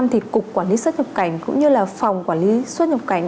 thì cục quản lý sát nhập cảnh cũng như là phòng quản lý sát nhập cảnh